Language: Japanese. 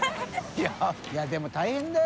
いでも大変だよ